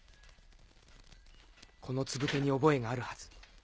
このツブテに覚えがあるはず。